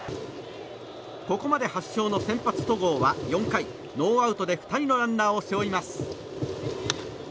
ここまで８勝の先発、戸郷は４回ノーアウトで２人のランナーを背負います。